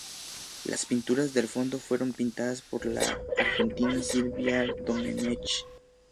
Las pinturas del fondo fueron pintadas por la argentina Silvia Domenech.